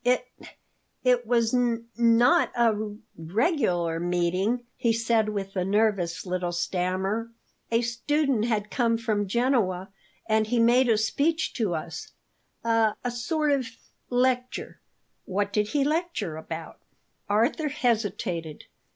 "It it was n not a r regular meeting," he said with a nervous little stammer. "A student had come from Genoa, and he made a speech to us a a sort of lecture." "What did he lecture about?" Arthur hesitated.